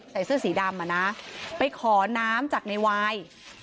ใส่เสื้อสีดำอ่ะนะไปขอน้ำจากในวาย